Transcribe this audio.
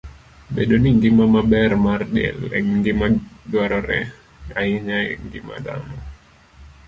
Bedo gi ngima maber mar del en gima dwarore ahinya e ngima dhano.